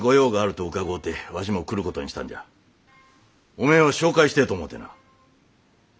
おめえを紹介してえと思うてな。